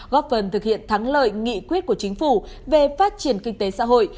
góp phần thực hiện thắng lợi nghị quyết của chính phủ về phát triển kinh tế xã hội